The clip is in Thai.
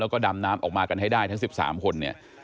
แล้วก็ดำน้ำออกมากันให้ได้ทั้ง๑๓คนเนี่ย